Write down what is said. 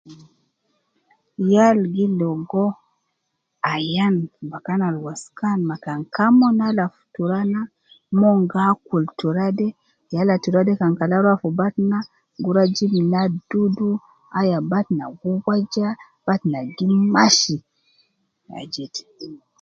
Yal gi logo ayan bakan al waskan ma kan mon alab fi tura na, mon gi akul tura de, yala tura de kan kala rua fi batna, gi rua jib na dudu aya batna gi waja, batna gi mashi ,ma jede